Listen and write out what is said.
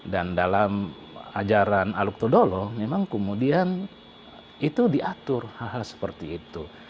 dan dalam ajaran aluk todolo memang kemudian itu diatur hal hal seperti itu